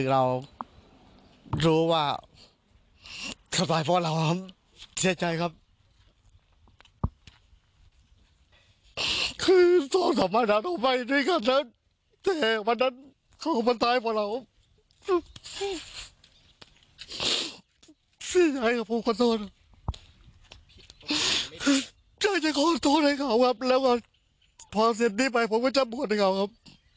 อยากจะขอโทษให้เขาครับแล้วก็พอเสร็จนี้ไปผมก็จะบวชให้เขาครับ